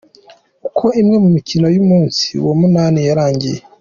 Uko imwe mu mikino y’umunsi wa munani yarangiye:.